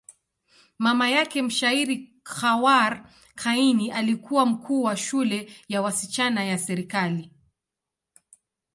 Mama yake, mshairi Khawar Kiani, alikuwa mkuu wa shule ya wasichana ya serikali.